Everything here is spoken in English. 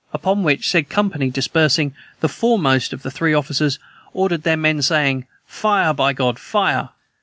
upon which said company dispersing, the foremost of the three officers ordered their men, saying, 'Fire, by God! fire!'